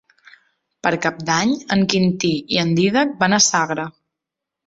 Per Cap d'Any en Quintí i en Dídac van a Sagra.